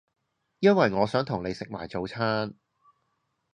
因為我想同你食埋早餐